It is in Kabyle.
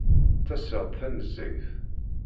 Ttaseɣ-d tanezzayt.